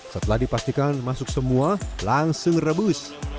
setelah dipastikan masuk semua langsung rebus